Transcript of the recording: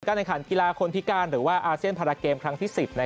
ในขันกีฬาคนพิการหรือว่าอาเซียนพาราเกมครั้งที่๑๐